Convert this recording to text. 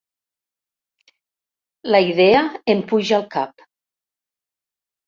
La idea em puja al cap.